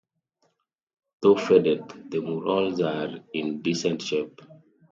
Though faded, the murals are in decent shape.